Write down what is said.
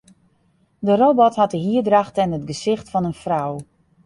De robot hat de hierdracht en it gesicht fan in frou.